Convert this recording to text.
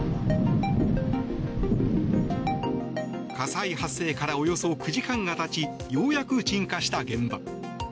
火災発生からおよそ９時間がたちようやく鎮火した現場。